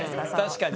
確かに。